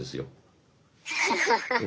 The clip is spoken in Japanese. ハハハッ。